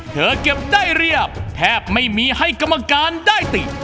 เก็บได้เรียบแทบไม่มีให้กรรมการได้ติด